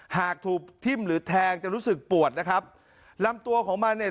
หากถูกทิ้มหรือแทงจะรู้สึกปวดนะครับลำตัวของมันเนี่ย